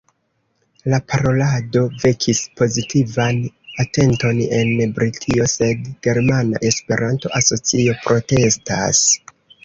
La parolado vekis pozitivan atenton en Britio, sed Germana Esperanto-Asocio protestas.